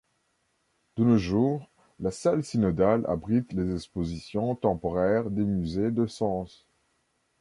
De nos jours, la salle synodale abrite les expositions temporaires des Musées de Sens.